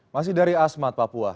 masih dari asmat papua